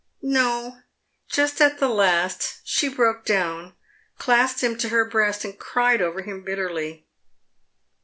" "No, just at the last she broke down, clasped him to her breast, and cried over him bitterly."